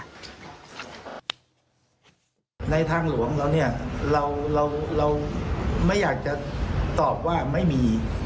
ในทางหลวงเราเนี่ยเราไม่อยากจะตอบว่าไม่มี